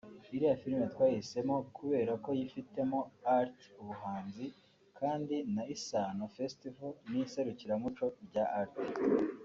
Iriya filime twayihisemo kubera ko yifitemo art [ubuhanzi] kandi na Isaano Festival ni iserukiramuco rya art